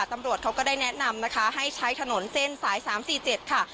ตำรวจเขาก็ได้แนะนำนะคะให้ใช้ถนนเส้นสาย๓๔๗ค่ะ